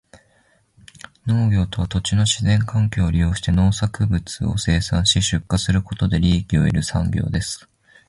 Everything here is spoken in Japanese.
農業とは、土地の自然環境を利用して農産物を生産し、出荷することで利益を得る産業です。